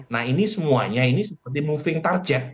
nah ini semuanya ini seperti moving target